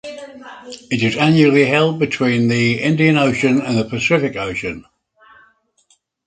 It is annually held between the Indian Ocean and the Pacific Ocean.